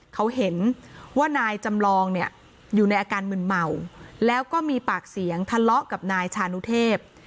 เขาเห็นว่านายจำลองเนี่ยอยู่ในอาการมึนเมาแล้วก็มีปากเสียงทะเลาะกับนายชานุเทพ